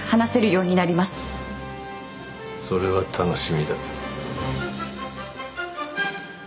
それは楽しみだ。